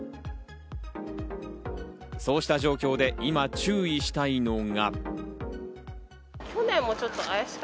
そうした状況で今、注意したいのが。